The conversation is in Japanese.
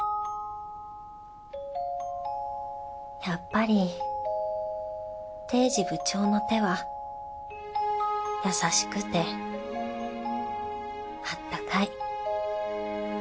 やっぱり堤司部長の手は優しくてあったかい